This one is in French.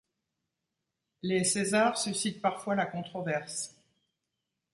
Les César suscitent parfois la controverse.